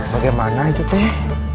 bagaimana itu teh